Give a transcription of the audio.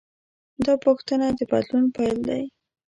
دا پوښتنه د بدلون پیل دی.